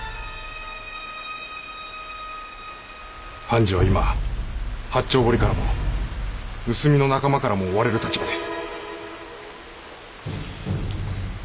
半次は今八丁堀からも盗みの仲間からも追われる立場です。